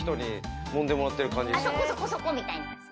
そこそこそこ！みたいな。